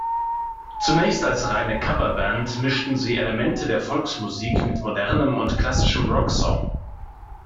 Zunächst als reine Coverband, mischten sie Elemente der Volksmusik mit modernem und klassischem Rock-Song.